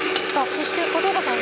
そして片岡さん